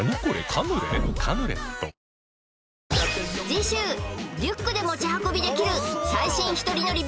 次週リュックで持ち運びできる最新一人乗り